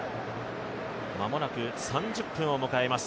間もなく３０分を迎えます